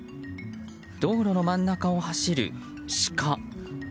道路の真ん中を走るシカ。